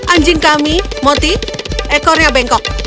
anjing kami moti ekornya bengkok